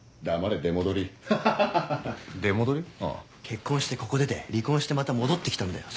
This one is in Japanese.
結婚してここ出て離婚してまた戻ってきたんだよ。